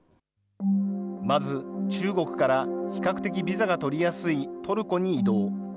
まず、中国から、比較的ビザが取りやすいトルコに移動。